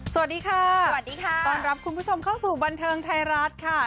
สวัสดีค่ะสวัสดีค่ะต้อนรับคุณผู้ชมเข้าสู่บันเทิงไทยรัฐค่ะ